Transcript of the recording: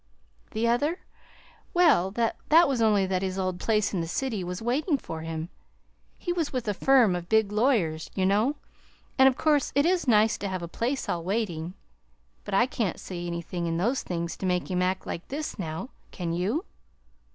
"The other? Well, that was only that his old place in the city was waiting for him. He was with a firm of big lawyers, you know, and of course it is nice to have a place all waiting. But I can't see anything in those things to make him act like this, now. Can you?"